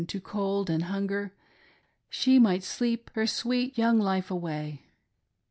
to cold and hunger, she might sleep her sweet young life away.